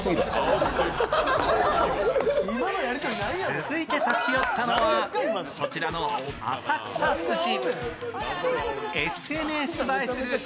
続いて立ち寄ったのはこちらの浅草すし。